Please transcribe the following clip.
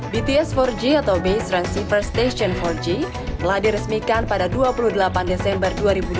bts empat g atau base transceiver station empat g telah diresmikan pada dua puluh delapan desember dua ribu dua puluh